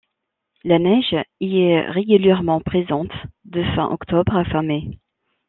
La neige y est régulièrement présente de fin octobre à fin mai.